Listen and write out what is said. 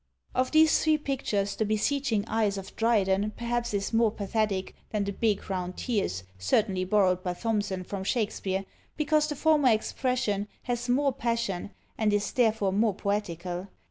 Of these three pictures the beseeching eyes of Dryden perhaps is more pathetic than the big round tears, certainly borrowed by Thomson from Shakspeare, because the former expression has more passion, and is therefore more poetical.